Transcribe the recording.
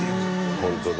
本当だ。